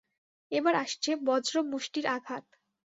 এবার আসছে বজ্রমুষ্টির আঘাত!